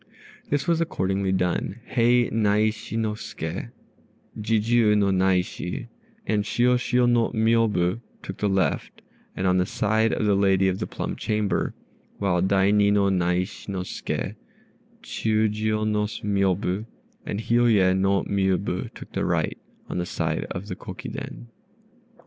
This was accordingly done: Hei Naishi no Ske, Jijiû no Naishi, and Shiôshiô no Miôbu took the left, on the side of the lady of the plum chamber; while Daini no Naishi no Ske, Chiûjiô no Miôbu, and Hiôye no Miôbu took the right, on the side of the Kokiden.